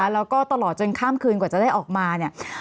แล้วก็ตลอดจนข้ามคืนกว่าจะได้ออกมาเนี่ย